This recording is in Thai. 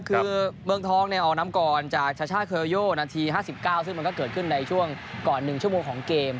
คือเมืองทองเนี่ยออกนำก่อนจากชาช่าเคอร์โยนาที๕๙ซึ่งมันก็เกิดขึ้นในช่วงก่อน๑ชั่วโมงของเกม